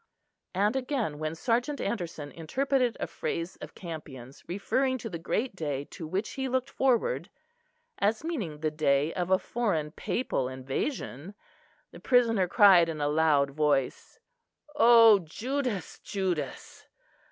And again, when Sergeant Anderson interpreted a phrase of Campion's referring to the great day to which he looked forward, as meaning the day of a foreign papal invasion, the prisoner cried in a loud voice: "O Judas, Judas!